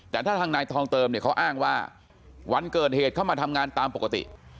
แต่ถ้าทางนายทองเติมเนี่ยเขาอ้างว่าวันเกิดเหตุเข้ามาทำงานตามปกติ